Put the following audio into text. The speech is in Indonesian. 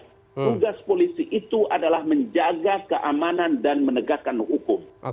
tugas polisi itu adalah menjaga keamanan dan menegakkan hukum